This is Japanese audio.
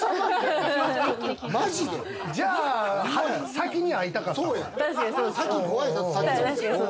先に会いたかったで。